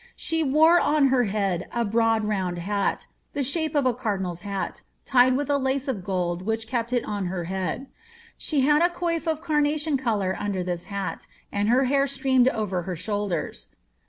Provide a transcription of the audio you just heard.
Skc ^ on her head a broad round hat, the shape of a cardinal^s hat, tied w lace of gold which kept it on her head ; she had a coif of canu colour under Uiis hat, and her hair streamed over her shoulders.